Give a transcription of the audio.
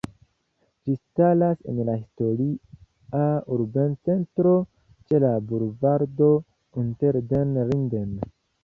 Ĝi staras en la historia urbocentro ĉe la bulvardo Unter den Linden.